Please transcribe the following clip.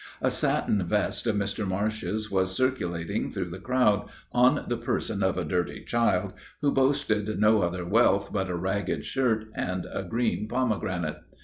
A satin vest of Mr. Marsh's was circulating through the crowd, on the person of a dirty child, who boasted no other wealth but a ragged shirt and a green pomegranate.